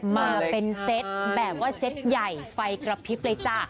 มาเป็นเซตแบบว่าเซ็ตใหญ่ไฟกระพริบเลยจ้ะ